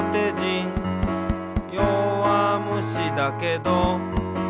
「よわむしだけど」